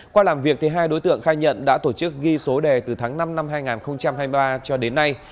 qua làm việc hai đối tượng khai nhận đã tổ chức ghi số đề từ tháng năm năm hai nghìn hai mươi ba cho đến nay